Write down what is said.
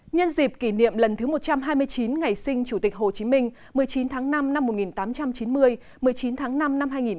nhân dịp kỷ niệm lần thứ một trăm hai mươi chín ngày sinh chủ tịch hồ chí minh một mươi chín tháng năm năm một nghìn tám trăm chín mươi một mươi chín tháng năm năm hai nghìn hai mươi